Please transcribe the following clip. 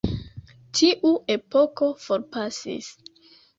Tiu epoko forpasis.